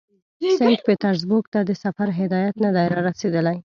سینټ پیټرزبورګ ته د سفر هدایت نه دی را رسېدلی.